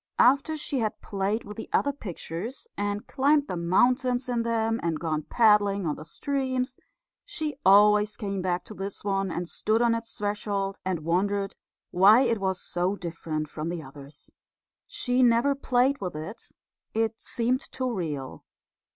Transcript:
After she had played with the other pictures, and climbed the mountains in them, and gone paddling in the streams, she always came to this one and stood on its threshold and wondered why it was so different from the others. She never played with it. It seemed too real.